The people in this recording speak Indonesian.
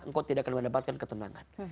engkau tidak akan mendapatkan ketenangan